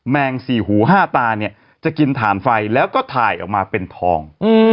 แมงสี่หูห้าตาเนี่ยจะกินถ่านไฟแล้วก็ถ่ายออกมาเป็นทอง